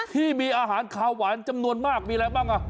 ที่มีอาหารขาวหวานจำนวนมากมีอะไรบ้างอ่ะ